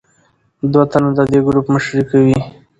دوه تنه د دې ګروپ مشري کوي.